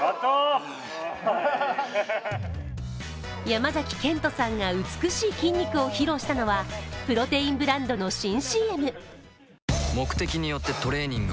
山崎賢人さんが美しい筋肉を披露したのはプレテインブランドの新ＣＭ。